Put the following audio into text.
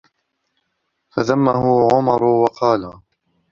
فَذَمَّهُ عَمْرٌو وَقَالَ